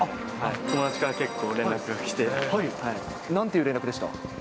友達から結構なんていう連絡でした？